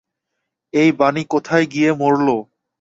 এই বানি কোথায় গিয়ে মরল?